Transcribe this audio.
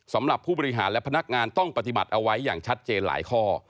สำหรับผู้บริหารและพนักงานต้องปฏิบัติเอาไว้อย่างชัดเจนหลายข้อ